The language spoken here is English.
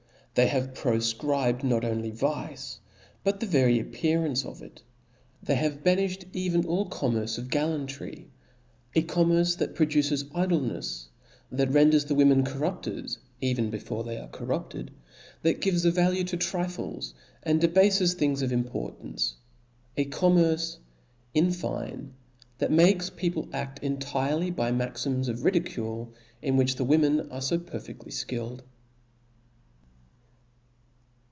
They have profcribed ' not only vice, but the very appearance of it. They have banifhed even all commerce of gallantry, a commerce that produces idlenefs, that renders the women corrupter^ even before they are corrupted, that gives a value to trifles, and debafes things of importance : a commerce, in fine, that makes pco ,ple aft entirely 'by the maxims of ridicule, in ' which the women are fo perfc<5tly (killed.